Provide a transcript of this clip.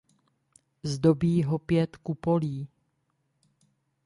Zdobí ho pět kupolí.